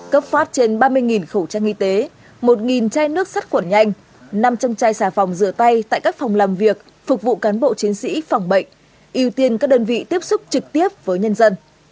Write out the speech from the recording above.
cấp phát trên ba mươi khẩu trang y tế một chai nước sắt quẩn nhanh năm trăm linh chai xà phòng rửa tay tại các phòng làm việc phục vụ cán bộ chiến sĩ phòng bệnh ưu tiên các đơn vị tiếp xúc trực tiếp với nhân dân